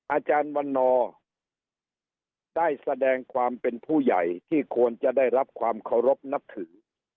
อาจารย์วันนอร์ได้แสดงความเป็นผู้ใหญ่ที่ควรจะได้รับความเคารพนับถือ